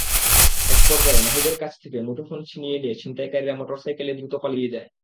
একপর্যায়ে নাহিদের কাছ থেকে মুঠোফোন ছিনিয়ে নিয়ে ছিনতাইকারীরা মোটরসাইকেল দ্রুত পালিয়ে যায়।